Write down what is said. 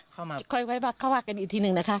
ค่อยไว้ว่าเขาว่ากันอีกทีหนึ่งนะคะ